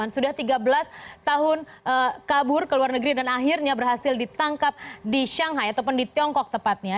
sudah tiga belas tahun kabur ke luar negeri dan akhirnya berhasil ditangkap di shanghai ataupun di tiongkok tepatnya